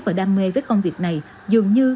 và đam mê với công việc này dường như